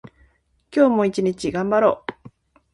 今日も一日頑張ろう。